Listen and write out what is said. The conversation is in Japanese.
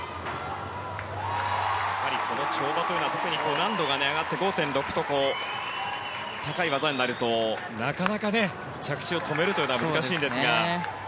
この跳馬というのは難度が上がって５．６と高い技になるとなかなか着地を止めるのは難しいんですが。